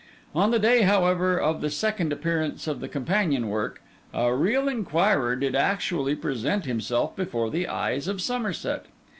On the day, however, of the second appearance of the companion work, a real inquirer did actually present himself before the eyes of Somerset.